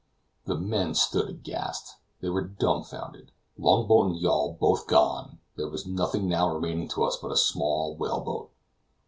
The men stood aghast; they were dumbfounded. Longboat and yawl both gone, there was nothing now remaining to us but a small whale boat.